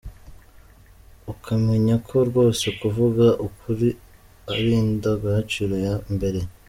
Ukamenya ko rwose kuvuga ukuri ari indangagaciro ya mbere.